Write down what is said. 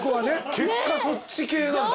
結果そっち系なんだ。